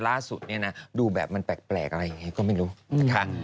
ล่าสุดเนี่ยนะดูแบบมันแปลกอะไรอย่างนี้ก็ไม่รู้นะคะ